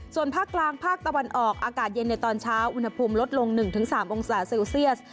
ส่วนภาคกลางภาคตะวันออกอากาศเย็นในตอนเช้าอุณหภูมิลดลง๑๓องศาเซลเซียส